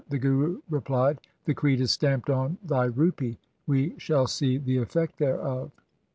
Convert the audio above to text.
The Guru replied, ' The creed is stamped on thy rupee ; we shall see the effect thereof.'